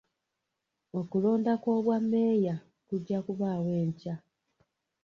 Okulonda kw'obwameeya kujja kubaawo enkya.